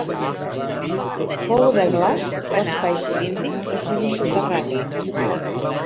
Pou de glaç d'espai cilíndric i semisoterrani.